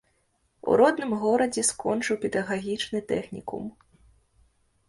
У родным горадзе скончыў педагагічны тэхнікум.